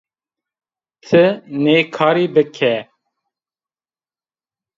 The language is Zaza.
Ti nê karî bike